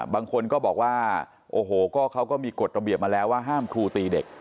บางคนก็บอกว่าโอ้โหก็เขาก็มีกฎระเบียบมาแล้วว่าห้ามครูตีเด็ก